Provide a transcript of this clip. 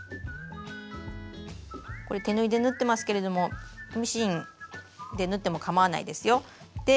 これ手縫いで縫ってますけれどもミシンで縫ってもかまわないですよ。